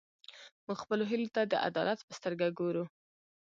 موږ خپلو هیلو ته د عدالت په سترګه ګورو.